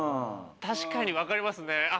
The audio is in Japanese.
確かに分かりますね。